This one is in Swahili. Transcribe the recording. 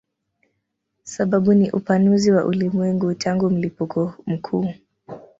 Sababu ni upanuzi wa ulimwengu tangu mlipuko mkuu.